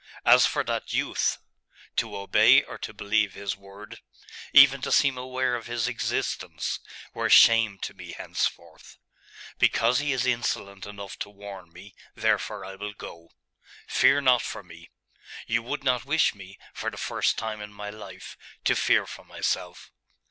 As for that youth to obey or to believe his word, even to seem aware of his existence, were shame to me henceforth. Because he is insolent enough to warn me therefore I will go. Fear not for me. You would not wish me, for the first time in my life, to fear for myself.